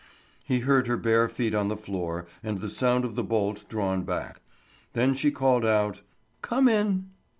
He heard her bare feet on the floor and the sound of the bolt drawn back. Then she called out: "Come in."